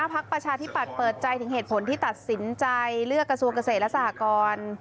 ผมจะไปกลับแทบถาม